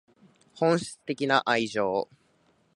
本質的な愛情